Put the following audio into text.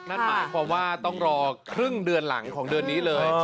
นั่นหมายความว่าต้องรอครึ่งเดือนหลังของเดือนนี้เลย